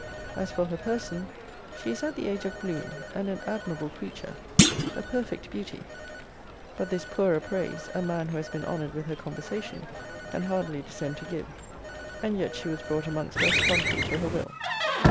As for her person, she is at the age of bloom, and an admirable creature; a perfect beauty: but this poorer praise, a man, who has been honoured with her conversation, can hardly descend to give; and yet she was brought amongst us contrary to her will.